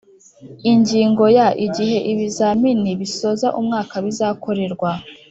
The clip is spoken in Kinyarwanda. Ingingo ya Igihe ibizamini bisoza umwaka bizakorerwa